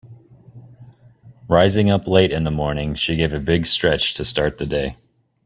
Rising up late in the morning she gave a big stretch to start the day.